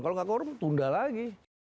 kalau nggak korum tunda lagi